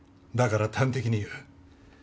だから端的に言う。